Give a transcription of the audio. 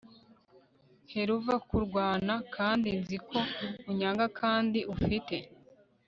helluva kurwana, kandi nzi ko unyanga kandi ufite